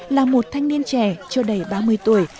là một thanh niên trẻ cho đầy ba mươi tuổi